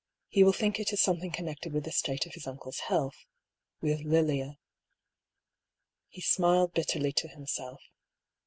"He will think it is something connected with the state of his uncle's health — with Lilia." He smiled bitterly to him self.